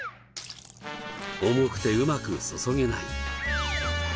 重くてうまく注げない。